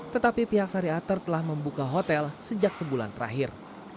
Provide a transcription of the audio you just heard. tetapi pihak sariater telah membuka hotel sejak sebulan terakhir